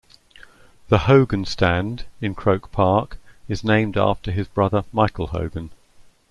The Hogan Stand in Croke Park is named after his brother Michael Hogan.